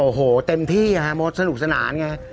โอ้โหเต็มที่ฮะมดสนุกสนานไง